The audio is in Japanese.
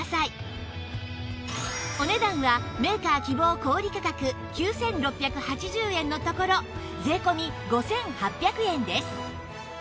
お値段はメーカー希望小売価格９６８０円のところ税込５８００円です